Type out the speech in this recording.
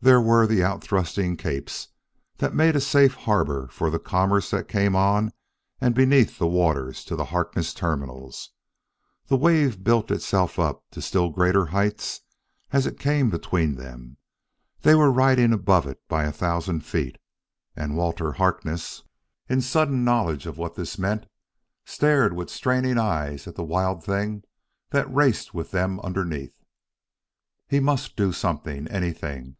There were the out thrusting capes that made a safe harbor for the commerce that came on and beneath the waters to the Harkness Terminals; the wave built itself up to still greater heights as it came between them. They were riding above it by a thousand feet, and Walter Harkness, in sudden knowledge of what this meant, stared with straining eyes at the wild thing that raced with them underneath. He must do something anything!